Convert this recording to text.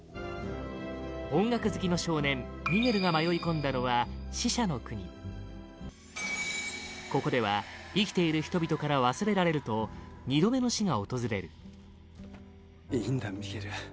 音楽好きの少年ミゲルが迷い込んだのは、死者の国ここでは、生きている人々から忘れられると２度目の死が訪れるヘクター：いいんだ、ミゲル。